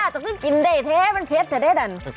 จะกินได้แท้มันเพชรจะได้ดัน